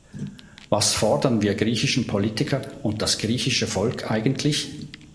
Was fordern wir griechischen Politiker und das griechische Volk eigentlich?